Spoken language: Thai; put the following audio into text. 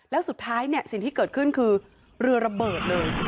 แล้วสุดท้ายเนี่ยสิ่งที่เกิดขึ้นคือเรือระเบิดเลย